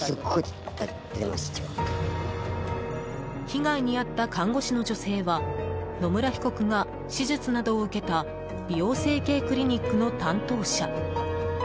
被害に遭った看護師の女性は野村被告が手術などを受けた美容整形クリニックの担当者。